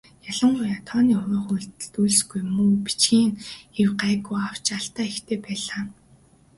Ялангуяа тооны хуваах үйлдэлд үйлсгүй муу, бичгийн хэв гайгүй авч алдаа ихтэй байлаа.